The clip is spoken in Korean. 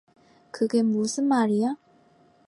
그게 무슨 말이야?